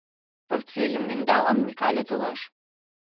Портфельым ӧндалын, Микале толеш.